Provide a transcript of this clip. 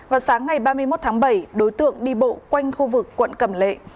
vào sáng ngày ba mươi một tháng bảy đối tượng đi bộ quanh khu vực quận cầm lệ